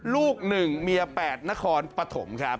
ลูก๑เมีย๘นครปฐมครับ